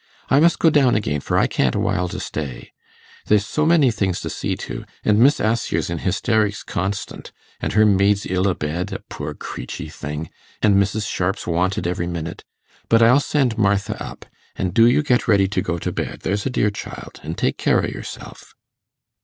I must go down again, for I can't awhile to stay. There's so many things to see to; an' Miss Assher's in hysterics constant, an' her maid's ill i' bed a poor creachy thing an' Mrs. Sharp's wanted every minute. But I'll send Martha up, an' do you get ready to go to bed, there's a dear child, an' take care o' yourself.